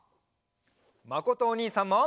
まことおにいさんも！